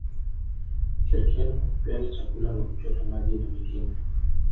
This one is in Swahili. Hushirikiana kwa kupeana chakula na kuchota maji na mengine